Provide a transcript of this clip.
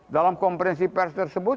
dalam konferensi pers tersebut